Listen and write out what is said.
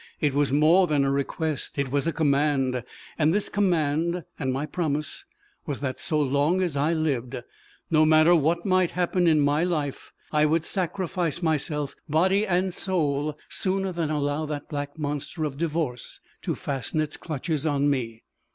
It was more than a request. It was a command. And this command, and my promise, was that so long as I lived no matter what might happen in my life I would sacrifice myself body and soul sooner than allow that black monster of divorce to fasten its clutches on me.